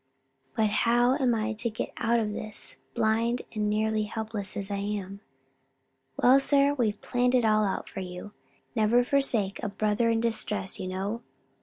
"But how am I to get out of this? blind and nearly helpless as I am?" "Well, sir, we've planned it all out for you never forsake a brother in distress, you know.